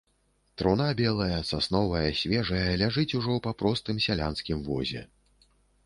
Труна белая, сасновая, свежая ляжыць ужо па простым сялянскім возе.